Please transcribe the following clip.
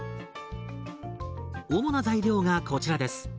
主な材料がこちらです。